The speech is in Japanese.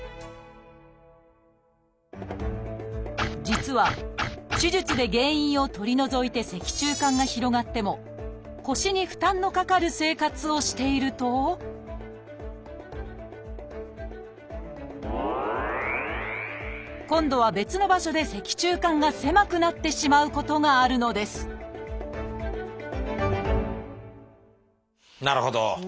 実は手術で原因を取り除いて脊柱管が広がっても腰に負担のかかる生活をしていると今度は別の場所で脊柱管が狭くなってしまうことがあるのですなるほど！